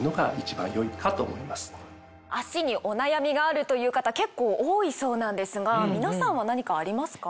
足にお悩みがあるという方結構多いそうなんですが皆さんは何かありますか？